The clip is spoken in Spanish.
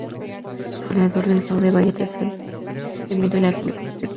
Fue el segundo gobernador del Estado de Bahía tras el advenimiento de la República.